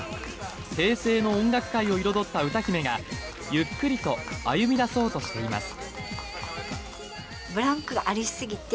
平成の音楽界を彩った歌姫がゆっくりと歩みだそうとしています。